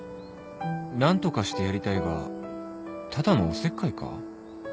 何とかしてやりたいがただのおせっかいか？